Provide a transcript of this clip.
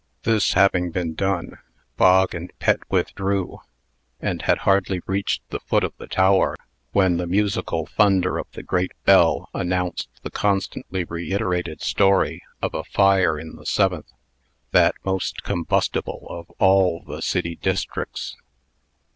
This having been done, Bog and Pet withdrew, and had hardly reached the foot of the tower, when the musical thunder of the great bell announced the constantly reiterated story of a fire in the Seventh that most combustible of all the city districts.